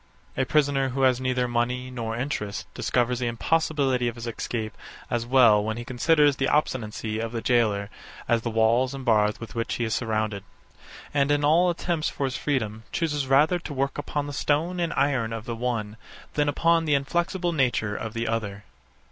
A prisoner who has neither money nor interest, discovers the impossibility of his escape, as well when he considers the obstinacy of the gaoler, as the walls and bars with which he is surrounded; and, in all attempts for his freedom, chooses rather to work upon the stone and iron of the one, than upon the inflexible nature of the other.